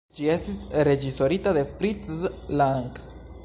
Ĝi estis reĝisorita de Fritz Lang.